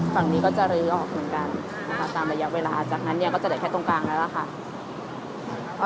ฝั่งนี้ก็จะลื้อออกเหมือนกันนะคะตามระยะเวลาจากนั้นเนี่ยก็จะเหลือแค่ตรงกลางแล้วล่ะค่ะ